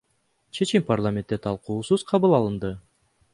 Чечим парламентте талкуусуз кабыл алынды.